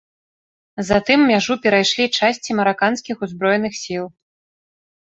Затым мяжу перайшлі часці мараканскіх ўзброеных сіл.